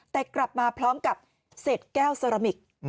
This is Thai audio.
แต่กลับมาพร้อมกับเศษแก้วเซรามิก